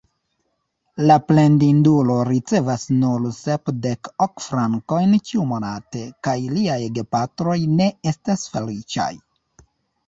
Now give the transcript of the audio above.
La plendidulo ricevas nur sepdek ok frankojn ĉiumonate, kaj liaj gepatroj ne estas feliĉaj.